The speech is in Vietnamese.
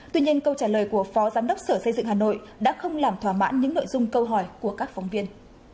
tuy nhiên câu trả lời của phó giám đốc sở xây dựng hà nội đã không làm thỏa mãn những nội dung câu hỏi của các phóng viên